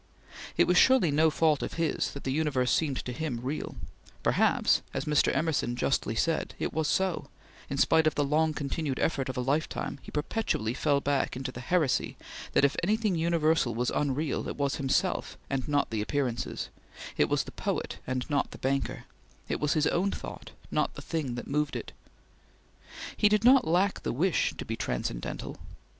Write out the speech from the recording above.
It was surely no fault of his that the universe seemed to him real; perhaps as Mr. Emerson justly said it was so; in spite of the long continued effort of a lifetime, he perpetually fell back into the heresy that if anything universal was unreal, it was himself and not the appearances; it was the poet and not the banker; it was his own thought, not the thing that moved it. He did not lack the wish to be transcendental.